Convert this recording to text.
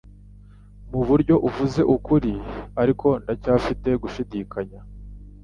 Muburyo uvuze ukuri, ariko ndacyafite gushidikanya.